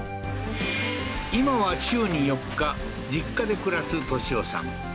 今は週に４日実家で暮らす敏夫さん